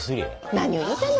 何を言うてんの！